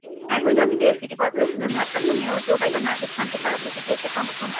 একই দাবিতে সিটি করপোরেশনের ভারপ্রাপ্ত মেয়র জোবাইরা নার্গিস খানকে স্মারকলিপি দিয়েছে সংগঠনটি।